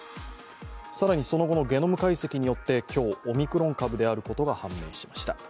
更にその後のゲノム解析によって今日、オミクロン株であることが判明しました。